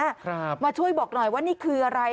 ครับมาช่วยบอกหน่อยว่านี่คืออะไร